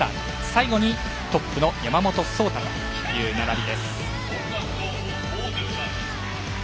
最後にトップの山本草太という並びです。